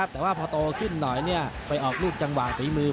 แต่ว่าพอโตขึ้นหน่อยไปออกรูปจังหวะฝีมือ